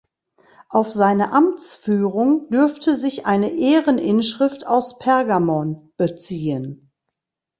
Auf seine Amtsführung dürfte sich eine Ehreninschrift aus Pergamon beziehen.